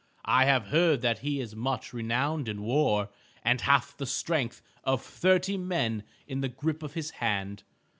I have heard that he is much renowned in war, and hath the strength of thirty men in the grip of his hand.